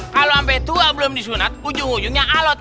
kalau sampai tua belum disunat ujung ujungnya alot